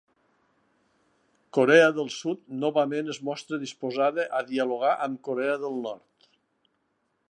Corea del Sud novament es mostra disposada a dialogar amb Corea del Nord